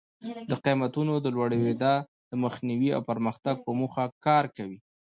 د قیمتونو د لوړېدا د مخنیوي او پرمختګ په موخه کار کوي.